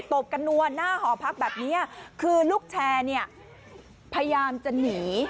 ตบกันนัวหน้าหอพักแบบนี้คือลูกแชร์เนี่ยพยายามจะหนี